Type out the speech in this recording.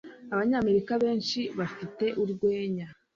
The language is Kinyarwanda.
Abanyamerika benshi bafite urwenya.